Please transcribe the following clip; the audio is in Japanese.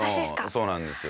そうなんですよ。